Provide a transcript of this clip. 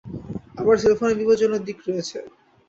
আবার সেলফোনের বিপজ্জনক দিক রয়েছে।